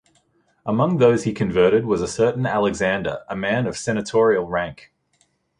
Among those he converted was a certain Alexander, a man of senatorial rank.